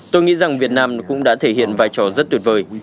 tôi nghĩ rằng việt nam cũng đã thể hiện vai trò rất tuyệt vời